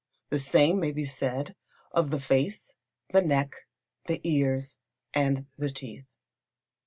The same may be said of the face, the neck, the ears, and the teeth.